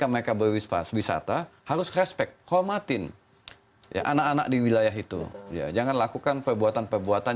mereka berwisata harus respect khomatin ya anak anak di wilayah itu ya jangan lakukan perbuatan perbuatan